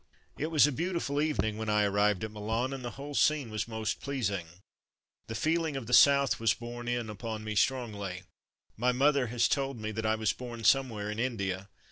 It was a beautiful evening when I arrived at Milan, and the whole scene was most pleasing. The feeling of the South was borne in upon me strongly. My mother has told me that I was born somewhere in India.